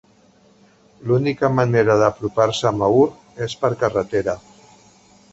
L'única manera d'apropar-se a Mahur és per carretera.